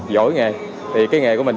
giỏi nghề thì cái nghề của mình